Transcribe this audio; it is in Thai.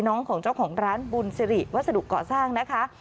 ของเจ้าของร้านบุญสิริวัสดุเกาะสร้างนะคะ